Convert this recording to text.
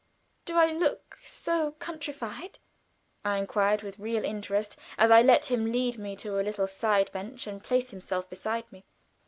Do I look so countrified?" I inquired, with real interest, as I let him lead me to a little side bench, and place himself beside me.